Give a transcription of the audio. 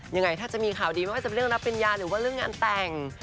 ยังไงถ้าจะมีข่าวดีไม่ว่าจะเป็นเรื่องรับปริญญาหรือว่าเรื่องงานแต่ง